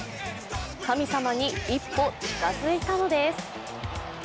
神様に一歩近づいたのです。